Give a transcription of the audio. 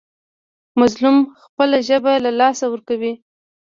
مظلوم خپله ژبه له لاسه ورکوي.